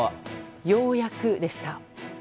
ようやく、でした。